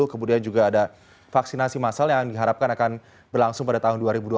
kemudian juga ada vaksinasi massal yang diharapkan akan berlangsung pada tahun dua ribu dua puluh satu